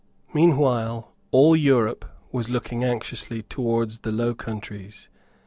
Meanwhile all Europe was looking anxiously towards the Low Countries.